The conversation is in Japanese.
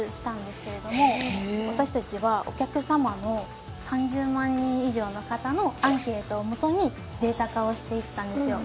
私たちはお客様の３０万人以上の方のアンケートを基にデータ化をしていったんですよ。